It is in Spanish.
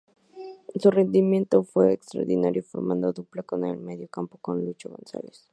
Su rendimiento en el fue extraordinario, formando dupla en el mediocampo con "Lucho" González.